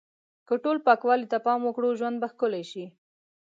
که ټول پاکوالی ته پام وکړو، ژوند به ښکلی شي.